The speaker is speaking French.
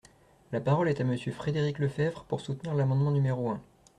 La parole est à Monsieur Frédéric Lefebvre, pour soutenir l’amendement numéro un.